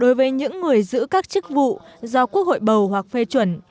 đối với những người giữ các chức vụ do quốc hội bầu hoặc phê chuẩn